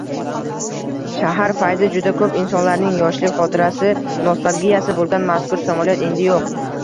Shahar fayzi, juda koʻp insonlarning yoshlik xotirasi, nostalgiyasi boʻlgan mazkur samolyot endi yoʻq...